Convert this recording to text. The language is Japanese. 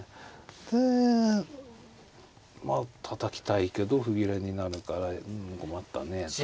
でまあたたきたいけど歩切れになるからうん困ったねえと。